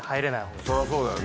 そりゃそうだよね。